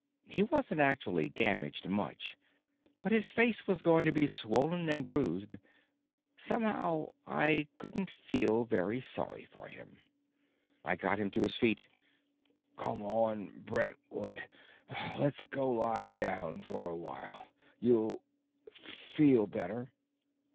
He wasn't actually damaged much, but his face was going to be swollen and bruised. Somehow, I couldn't feel very sorry for him. I got him to his feet. "Come on, Brentwood; let's go lie down for a while. You'll feel better."